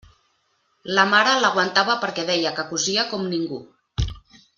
La mare l'aguantava perquè deia que cosia com ningú.